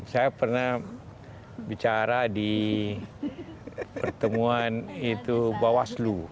saya pernah bicara di pertemuan itu bawaslu